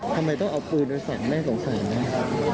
ทำไมต้องเอาปืนไปสั่งแม่สงสัยไหม